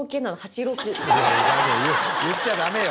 言っちゃダメよ。